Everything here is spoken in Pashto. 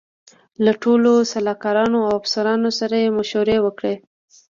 له ټولو سلاکارانو او افسرانو سره یې مشورې وکړې.